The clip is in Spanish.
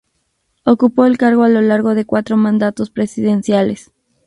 Ocupó el cargo a lo largo de cuatro mandatos presidenciales.